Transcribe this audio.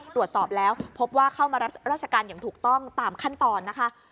ตรวจสอบแล้วพบว่าเข้ามารับราชการอย่างถูกต้องตามขั้นตอนนะคะ